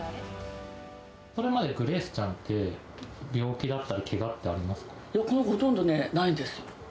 これまでグレースちゃんって、病気だったり、この子、ほとんどね、ないんですよ。